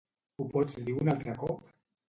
Ho pots dir un altre cop?